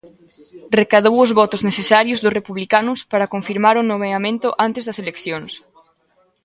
Recadou os votos necesarios dos republicanos para confirmar o nomeamento antes das eleccións.